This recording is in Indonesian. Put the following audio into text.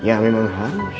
ya memang harus